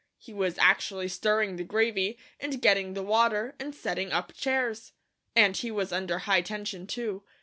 He was actually stirring the gravy, and getting the water, and setting up chairs. And he was under high tension, too.